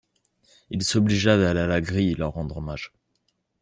Il s'obligea d'aller à la grille leur rendre hommage.